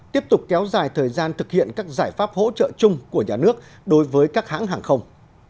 tiếp tục kéo dài thời gian thực hiện các giải pháp hỗ trợ chung của nhà nước đối với các hãng hàng không